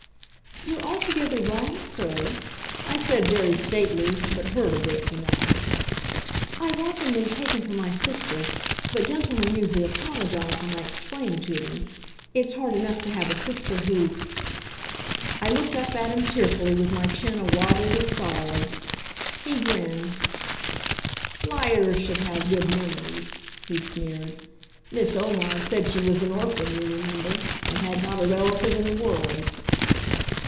"You're altogether wrong, sir," I said very stately, but hurt a bit, you know. "I've often been taken for my sister, but gentlemen usually apologize when I explain to them. It's hard enough to have a sister who " I looked up at him tearfully, with my chin a wabble with sorrow. He grinned. "Liars should have good memories," he sneered. "Miss Omar said she was an orphan, you remember, and had not a relative in the world."